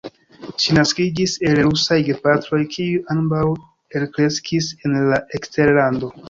Ŝi naskiĝis el rusaj gepatroj, kiuj ambaŭ elkreskis en la eksterlando.